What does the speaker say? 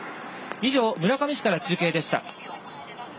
以上、村上市から中継でした。